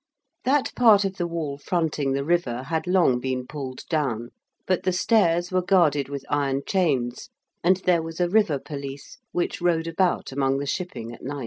That part of the wall fronting the river had long been pulled down, but the stairs were guarded with iron chains, and there was a river police which rowed about among the shipping at night.